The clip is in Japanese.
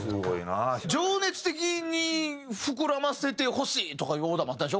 「情熱的に膨らませてほしい」とかいうオーダーもあったんでしょ？